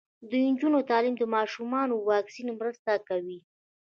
د نجونو تعلیم د ماشومانو واکسین مرسته کوي.